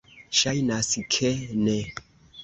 Ŝajnas ke ne.